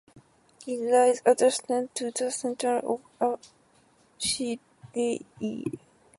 It rises adjacent to the Cathedral of Acireale.